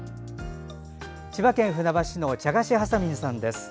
千葉県船橋市のちゃがしはさみんさんです。